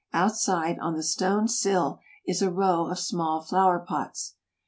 Outside on the stone sill is a row of small flower pots.